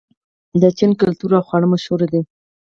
د چین کلتور او خواړه مشهور دي.